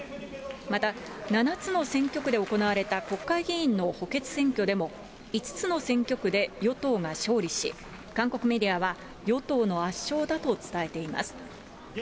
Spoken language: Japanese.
また、７つの選挙区で行われた国会議員の補欠選挙でも５つの選挙区で与党が勝利し、韓国メディアは、与党の圧勝だと伝えています。